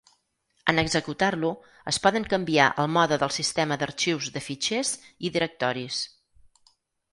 En executar-lo, es poden canviar el mode del sistema d'arxius de fitxers i directoris.